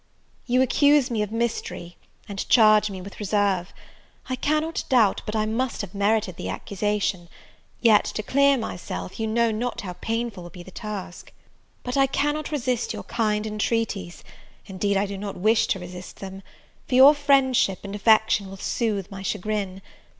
YOU accuse me of mystery, and charge me with reserve: I cannot doubt but I must have merited the accusation; yet, to clear myself, you know not how painful will be the task. But I cannot resist your kind entreaties; indeed I do not wish to resist them; for your friendship and affection will soothe my chagrin.